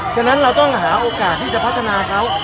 ฉะนั้นเราต้องหาโอกาสที่จะพัฒนาเขา